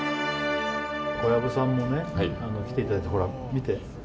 小籔さんも来ていただいてほら、見て。